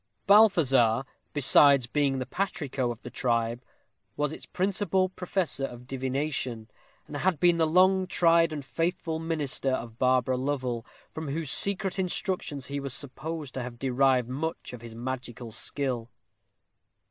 Balthazar, besides being the patrico of the tribe, was its principal professor of divination, and had been the long tried and faithful minister of Barbara Lovel, from whose secret instructions he was supposed to have derived much of his magical skill.